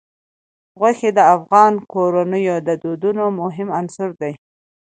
غوښې د افغان کورنیو د دودونو مهم عنصر دی.